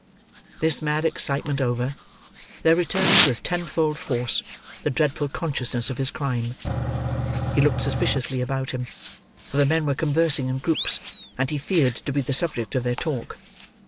This mad excitement over, there returned, with ten fold force, the dreadful consciousness of his crime. He looked suspiciously about him, for the men were conversing in groups, and he feared to be the subject of their talk.